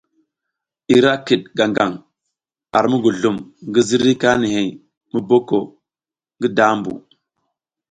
Ira kiɗ gaŋ gang ar muguzlum ngi ziriy kanihey mu boko ngi dambu.